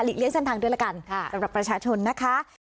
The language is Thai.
เลี่เส้นทางด้วยละกันสำหรับประชาชนนะคะ